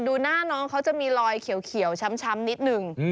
ดูหน้าน้องเขาจะมีรอยเขียวช้ำนิดนึง